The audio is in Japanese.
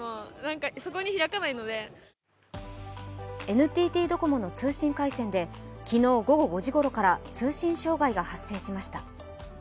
ＮＴＴドコモの通信回線で昨日午後５時ごろから通信障害が発生しました。